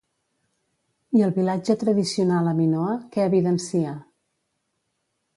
I el vilatge tradicional a Minoa, què evidencia?